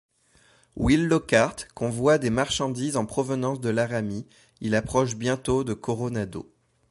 Will Lockhart convoie des marchandises en provenance de Laramie, il approche bientôt de Coronado.